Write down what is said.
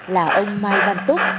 là ông mai văn túc